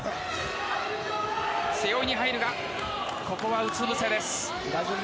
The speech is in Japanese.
背負いに入るがここはうつ伏せです。